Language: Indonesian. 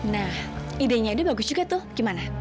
nah idenya ini bagus juga tuh gimana